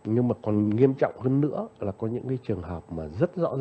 nhưng mà còn nghiêm trọng hơn nữa là có những cái trường hợp mà rất rõ